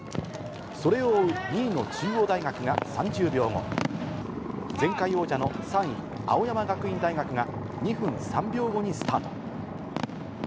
それを追う２位の中央大学が３０秒後、前回王者の３位、青山学院大学が２分３秒後にスタート。